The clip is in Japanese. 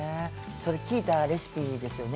それは聞いたレシピですよね。